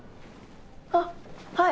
あっはい。